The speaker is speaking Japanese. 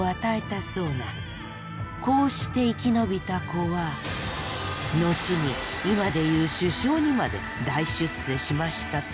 こうして生き延びた子は後に今で言う首相にまで大出世しましたとさ。